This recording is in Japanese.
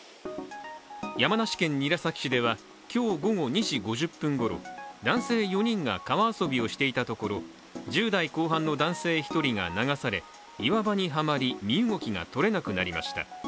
山梨県韮崎市では、今日午後２時５０分頃、男性４人が川遊びをしていたところ１０代後半の男性１人が流され岩場にはまり、身動きがとれなくなりました。